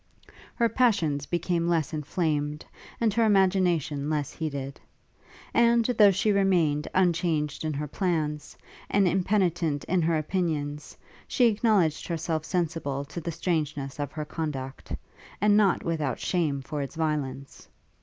Her passions became less inflamed, and her imagination less heated; and, though she remained unchanged in her plans, and impenitent in her opinions, she acknowledged herself sensible to the strangeness of her conduct; and not without shame for its violence.